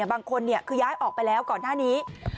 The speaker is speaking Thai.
บางคนคือย้ายออกไปแล้วก่อนหน้านี้